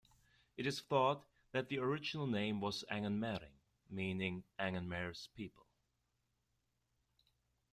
It is thought that the original name was "Angenmaering" meaning Angenmaer's people.